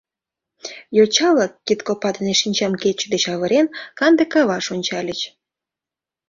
Йоча-влак, кидкопа дене шинчам кече деч авырен, канде каваш ончальыч.